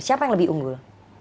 siapa yang lebih unggul